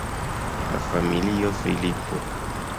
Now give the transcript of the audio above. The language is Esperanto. La familio Filipo.